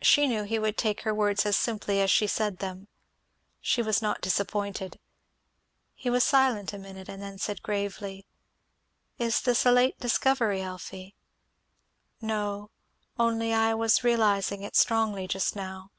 She knew he would take her words as simply as she said them; she was not disappointed. He was silent a minute and then said gravely, "Is this a late discovery, Elfie?" "No only I was realizing it strongly just now."